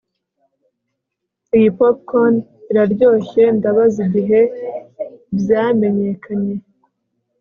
Iyi popcorn iraryoshye Ndabaza igihe byamenyekanye